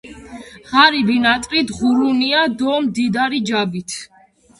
ღარიბი ნატრით ღურუნია დო მდიდარი – ჯაბით.